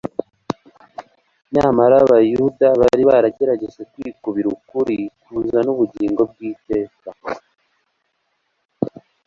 Nyamara abayuda bari baragerageje kwikubira ukuri kuzana ubugingo bw'iteka.